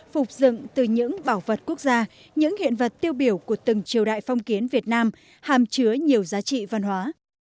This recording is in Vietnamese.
phục dựng từ những bảo vật quốc gia những hiện vật tiêu biểu của từng triều đại phong kiến việt nam hàm chứa nhiều giá trị văn hóa